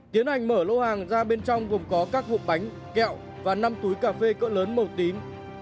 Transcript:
tiến hành mở lô hàng ra bên trong gồm có các hộp bánh kẹo và năm túi cà phê cỡ lớn màu tím